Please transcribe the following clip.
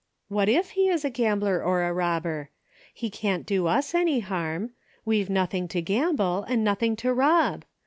What if he is a gambler or a robber ? He can't do us any harm. We've nothing to gamble and nothing to rob.